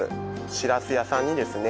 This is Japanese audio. しらす屋さんにですね